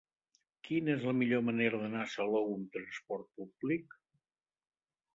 Quina és la millor manera d'anar a Salou amb trasport públic?